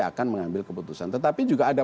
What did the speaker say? akan mengambil keputusan tetapi juga ada